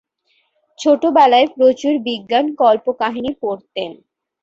ছোটবেলায় প্রচুর বিজ্ঞান কল্পকাহিনী পড়তেন।